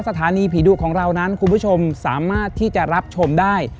สถานีผีดุของเรานั้นคุณผู้ชมสามารถที่จะรับชมได้